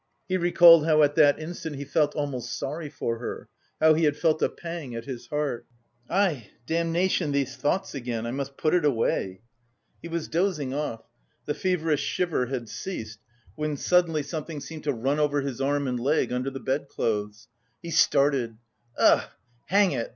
He recalled how at that instant he felt almost sorry for her, how he had felt a pang at his heart... "Aïe! Damnation, these thoughts again! I must put it away!" He was dozing off; the feverish shiver had ceased, when suddenly something seemed to run over his arm and leg under the bedclothes. He started. "Ugh! hang it!